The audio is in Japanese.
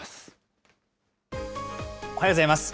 おはようございます。